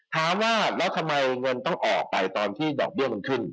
ถามว่าแล้วทำไมเงินต้องออกไปตอนที่ดอกเบี้ยมันขึ้น